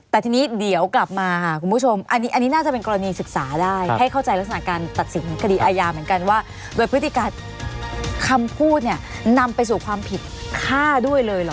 แต่ทีนี้เดี๋ยวกลับมาค่ะคุณผู้ชมอันนี้น่าจะเป็นกรณีศึกษาได้ให้เข้าใจลักษณะการตัดสินของคดีอาญาเหมือนกันว่าโดยพฤติการคำพูดเนี่ยนำไปสู่ความผิดฆ่าด้วยเลยเหรอ